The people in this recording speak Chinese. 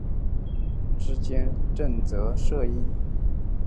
簇之间的正则映射相对其上的扎里斯基拓扑是连续的。